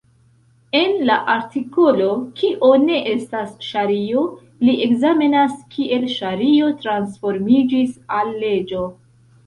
En la artikolo "Kio ne estas ŝario" li ekzamenas kiel ŝario transformiĝis al leĝo.